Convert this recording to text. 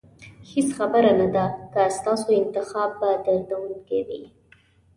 هېڅ خبره نه ده که ستاسو انتخاب به دردونکی وي.